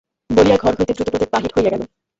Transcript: বলিয়া ঘর হইতে দ্রুতপদে বাহির হইয়া গেলেন।